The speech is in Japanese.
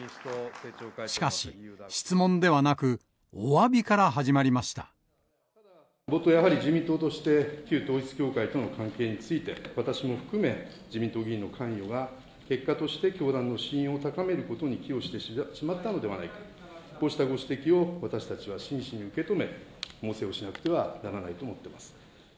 しかし、質問ではなくおわびから冒頭、やはり自民党として、旧統一教会との関係について、私も含め、自民党議員の関与が結果として教団の信用を高めることに寄与してしまったのではないか、こうしたご指摘を私たちは真摯に受け止め、猛省をしなくてはならないと思っております。